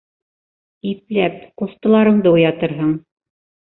Ипләп, ҡустыларыңды уятырһың!